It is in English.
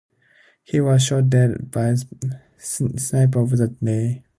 He was shot dead by a sniper that day.